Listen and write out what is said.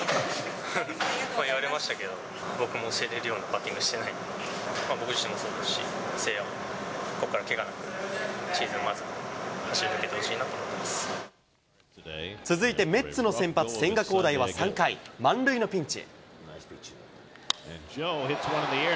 まあ言われましたけど、僕も教えれるようなバッティングしてないんで、まあ、僕自身もそうですし、誠也もここからけがなくシーズンをまず走り抜けてほしいなと思っ続いて、メッツの先発、千賀滉大は３回、満塁のピンチ。